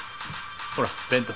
ほら弁当。